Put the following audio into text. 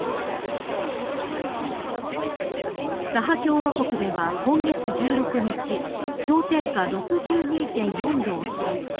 サハ共和国では今月１６日氷点下６２．４度を記録。